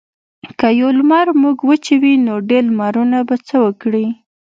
که یو لمر موږ وچوي نو ډیر لمرونه به څه وکړي.